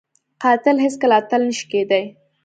قاتل هیڅ کله اتل نه شي کېدای